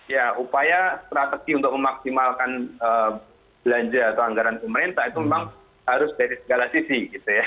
ya upaya strategi untuk memaksimalkan belanja atau anggaran pemerintah itu memang harus dari segala sisi gitu ya